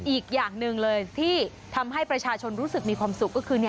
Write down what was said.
อีกอย่างหนึ่งเลยที่ทำให้ประชาชนรู้สึกมีความสุขก็คือ